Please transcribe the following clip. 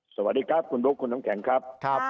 สวัสดีครับคุณบุ๊คคุณน้ำแข็งครับ